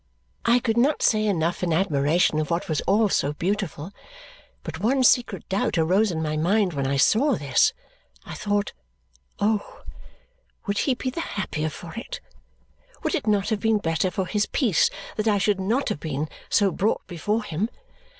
I could not say enough in admiration of what was all so beautiful, but one secret doubt arose in my mind when I saw this, I thought, oh, would he be the happier for it! Would it not have been better for his peace that I should not have been so brought before him?